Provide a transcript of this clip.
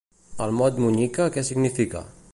El mot monyica què significa?